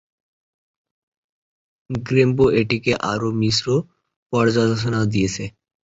GamePro এটিকে আরও মিশ্র পর্যালোচনা দিয়েছে।